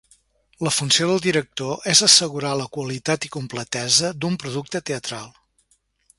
La funció del director és assegurar la qualitat i completesa d'un producte teatral.